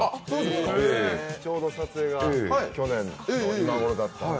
ちょうど撮影が去年の今ごろだったので。